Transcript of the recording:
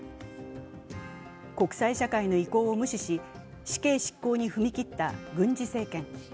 国際社会の意向を無視し、死刑執行に踏み切った軍事政権。